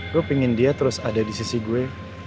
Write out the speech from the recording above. gue pengen dia terus ada di sisi gue